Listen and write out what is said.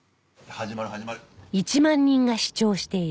始まる始まる。